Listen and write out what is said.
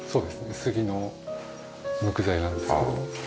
杉の木材なんですけど。